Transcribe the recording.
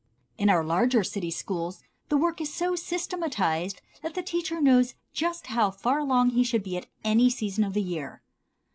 In our larger city schools the work is so systematized that the teacher knows just how far along he should be at any season of the year.